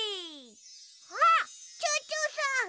あっチョウチョさん。